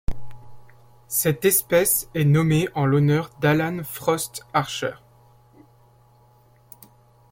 Cette espèce est nommée en l'honneur d'Allan Frost Archer.